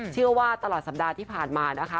เชื่อว่าตลอดสัปดาห์ที่ผ่านมานะคะ